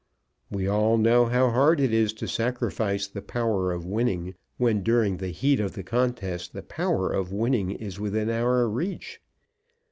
We all know how hard it is to sacrifice the power of winning, when during the heat of the contest the power of winning is within our reach.